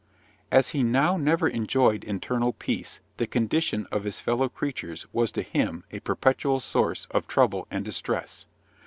As he now never enjoyed internal peace, the condition of his fellow creatures was to him a perpetual source of trouble and distress.